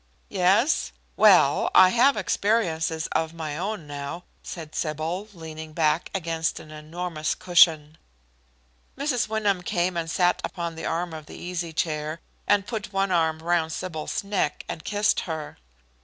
"Yes? Well, I have experiences of my own now," said Sybil, leaning back against an enormous cushion. Mrs. Wyndham came and sat upon the arm of the easy chair, and put one arm round Sybil's neck and kissed her.